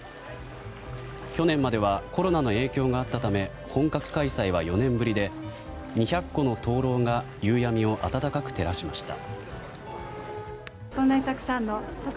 去年まではコロナの影響があったため本格開催は４年ぶりで２００個の灯籠が夕闇を温かく照らしました。